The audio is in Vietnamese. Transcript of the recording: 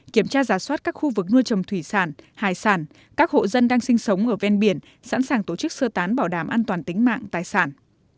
kiểm tra giả soát các khu vực nuôi trồng thủy sản hải sản các hộ dân đang sinh sống ở ven biển sẵn sàng tổ chức sơ tán bảo đảm an toàn tính mạng tài sản